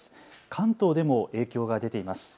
関東でも影響が出ています。